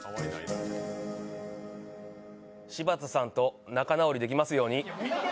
柴田さんと仲直りできますように。